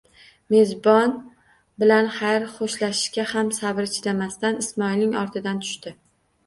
Mezbon bilan xayr xo'shlashishga ham sabri chidamasdan Ismoilning ortidan tushdi.